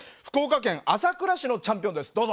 福岡県朝倉市のチャンピオンです。